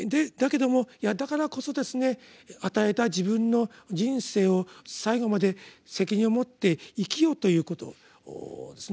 だけどもいやだからこそですね与えた自分の人生を最後まで責任を持って生きよということ。